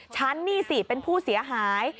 ฉันนี่สิเป็นผู้เสียหาย